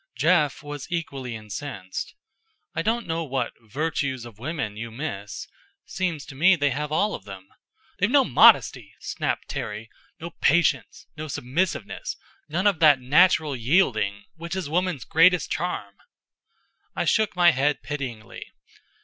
Jeff was equally incensed. "I don't know what 'virtues of women' you miss. Seems to me they have all of them." "They've no modesty," snapped Terry. "No patience, no submissiveness, none of that natural yielding which is woman's greatest charm." I shook my head pityingly.